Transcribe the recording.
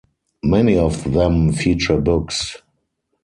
Many of them feature books.